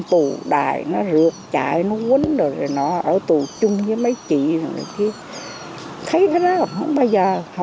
xung đại nó rượt chạy nó quấn rồi nó ở tù chung với mấy chị thì thấy nó không bao giờ không bao